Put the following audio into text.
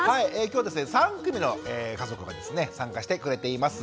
きょうはですね３組の家族が参加してくれています。